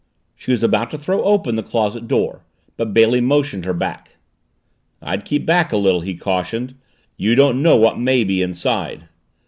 She was about to throw open the closet door. But Bailey motioned her back. "I'd keep back a little," he cautioned. "You don't know what may be inside."